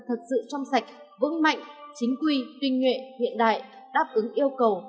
thật sự trong sạch vững mạnh chính quy tinh nhuệ hiện đại đáp ứng yêu cầu